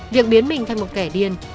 việc biến mình thành một kẻ điên